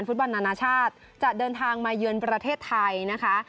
ฟุตบอลนานาชาติจะเดินทางมาเยือนประเทศไทยนะคะ